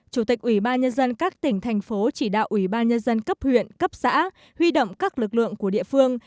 chủ tịch ubnd các tỉnh thành phố chỉ đạo ubnd cấp huyện cấp xã huy động các lực lượng của địa phương